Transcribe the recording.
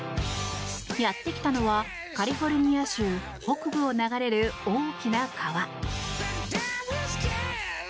やってきたのはカリフォルニア州北部を流れる大きな川。